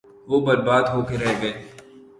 وہ برباد ہو کے رہ گئے۔